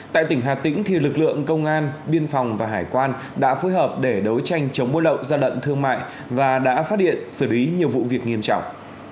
tại tỉnh hà tĩnh lực lượng công an biên phòng và hải quan đã phối hợp để đấu tranh chống buôn lậu gia lận thương mại và đã phát hiện xử lý nhiều vụ việc nghiêm trọng